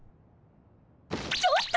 ちょっと！